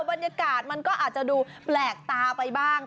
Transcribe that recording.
บรรยากาศมันก็อาจจะดูแปลกตาไปบ้าง